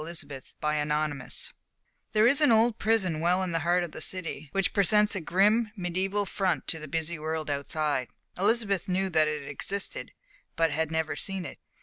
Chapter XXXII There is an old prison well in the heart of the city, which presents a grim, mediæval front to the busy world outside. Elizabeth knew that it existed, but had never seen it.